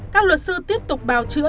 các luật sư tiếp tục bào chữa